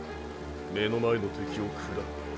目の前の敵を喰らう。